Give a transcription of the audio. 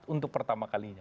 untuk pertama kalinya